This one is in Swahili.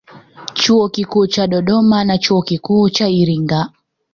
Chuo Kikuu cha Dodoma na Chuo Kikuu cha Iringa